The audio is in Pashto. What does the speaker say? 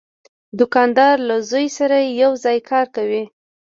دوکاندار له زوی سره یو ځای کار کوي.